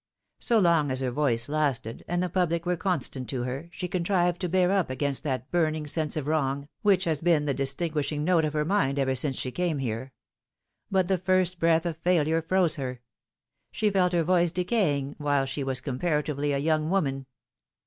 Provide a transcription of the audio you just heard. So long as her voice lasted, and the public were constant to her, she contrived to bear up against that burning sense of wrong which has been the distinguishing note of her mind ever since she came here. But the first breath of failure froze her. She felt her voice decaying while she was comparatively a young woman.